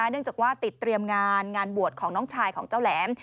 เนื่องจากว่าติดเตรียมงานงานบวชของน้องชายของเจ้าแหลม